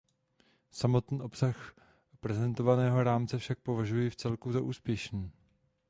Samotný obsah prezentovaného rámce však považuji vcelku za úspěšný.